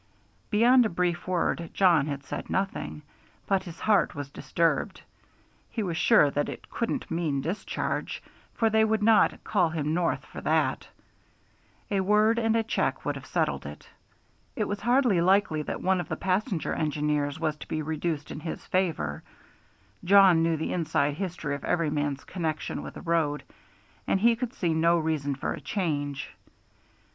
Beyond a brief word Jawn had said nothing, but his heart was disturbed. He was sure that it couldn't mean discharge, for they would not call him north for that a word and a check would have settled it. It was hardly likely that one of the passenger engineers was to be reduced in his favor; Jawn knew the inside history of every man's connection with the road, and he could see no reason for a change.